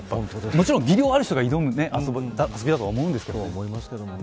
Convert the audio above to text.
もちろん、技量がある人が挑む遊びだと思いますけどね。